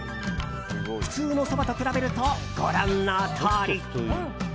普通のそばと比べるとご覧のとおり。